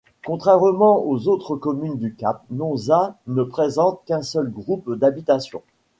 Contrairement aux autres communes du Cap, Nonza ne présente qu'un seul groupe d'habitations.